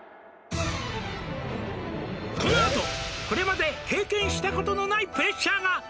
「このあとこれまで経験したことのないプレッシャーが」